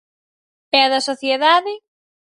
E a da sociedade?